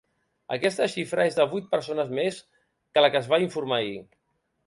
Aquesta xifra és de vuit persones més que la que es va informar ahir.